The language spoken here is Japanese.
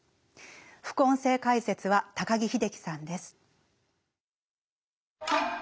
副音声解説は高木秀樹さんです。